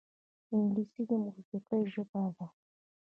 انګلیسي د موسیقۍ ژبه ده